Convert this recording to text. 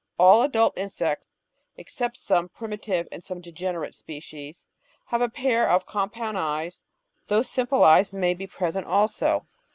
All adult insects (except some prim itive and some degenerate species) have a pair of compound eyes, though simple eyes may be present also.